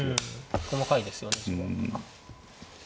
細かいですよね。